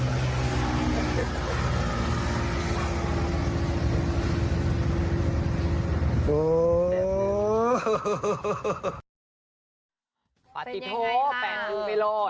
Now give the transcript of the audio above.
ประติโทแปดคือไม่โหด